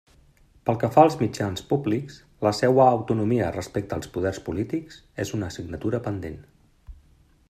Pel que fa als mitjans públics, la seua autonomia respecte als poders polítics és una assignatura pendent.